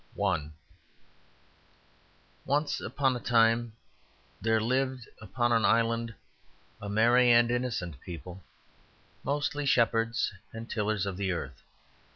I Once upon a time there lived upon an island a merry and innocent people, mostly shepherds and tillers of the earth.